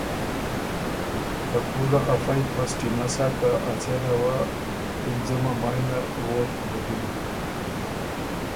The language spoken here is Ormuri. ته پُوله افئ پسټی نسا که اڅېنه وه پِنځُمه مای نر ووتک بُکِن۔